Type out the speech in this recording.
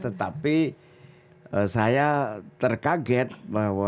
tetapi saya terkaget bahwa tokoh tokoh demokrasi itu bisa menangkap saya ya